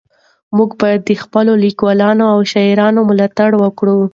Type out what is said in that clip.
موږ باید د خپلو لیکوالانو او شاعرانو ملاتړ وکړو.